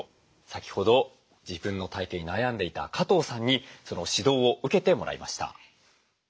先ほど自分の体形に悩んでいた加藤さんにその指導を受けてもらいました。